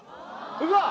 うわっ！